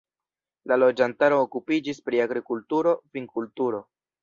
La loĝantaro okupiĝis pri agrikulturo, vinkulturo.